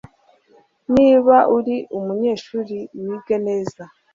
niba uri umunyeshuri wige neza